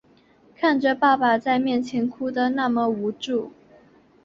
看着爸爸在面前哭的那么无助